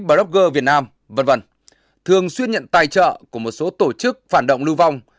blockcha việt nam v v thường xuyên nhận tài trợ của một số tổ chức phản động lưu vong